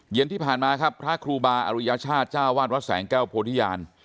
เย็นที่ผ่านมาครับพระครูบาอรุยชาติเจ้าวาดวัดแสงแก้วโพธิญาณ